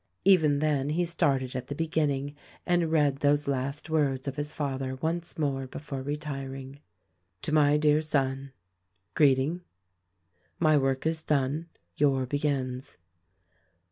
Even then he started at the beginning and read those last words of his father once more before retiring. "To my dear Son: Greeting. "My work is done ; your begins.